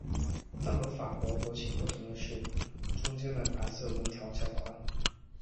但和法国国旗不同的是中间的白色条纹较宽。